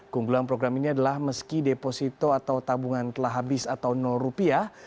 keunggulan program ini adalah meski deposito atau tabungan telah habis atau rupiah